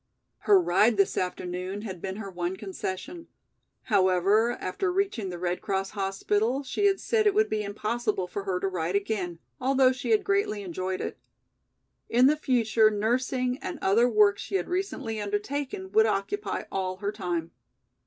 Her ride this afternoon had been her one concession; however, after reaching the Red Cross hospital, she had said it would be impossible for her to ride again, although she had greatly enjoyed it. In the future nursing and other work she had recently undertaken would occupy all her time.